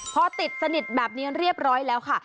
พอติดสนิทแบบนี้เรียบร้อยแล้วค่ะ